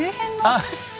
あっ！